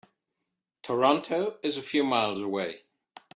Toronto is a few miles away.